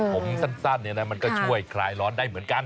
ผมสั้นมันก็ช่วยคลายร้อนได้เหมือนกัน